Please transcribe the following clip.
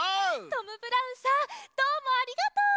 トム・ブラウンさんどうもありがとう！